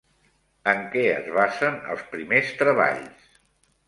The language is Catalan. En què es basen els primers treballs?